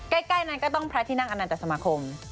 ใกล้นั้นก็ต้องพล็คนั่งอำนาจจะสมคม